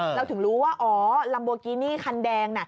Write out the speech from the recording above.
เราถึงรู้ว่าอ๋อลัมโบกินี่คันแดงน่ะ